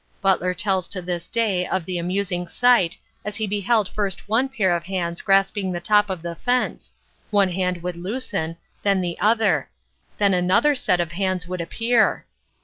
Butler tells to this day of the amusing sight as he beheld first one pair of hands grasping the top of the fence; one hand would loosen, then the other; then another set of hands would appear.